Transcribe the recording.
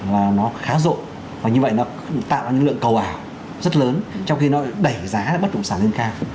và nó khá rộ và như vậy nó tạo ra những lượng cầu ảo rất lớn trong khi nó đẩy giá bất động sản lên cao